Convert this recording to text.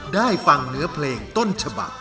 ได้ฟังเนื้อเพลงต้นฉบัก